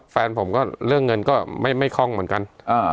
แฟนผมก็เรื่องเงินก็ไม่คล่องเหมือนกัน